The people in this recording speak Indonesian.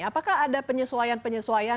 apakah ada penyesuaian penyesuaian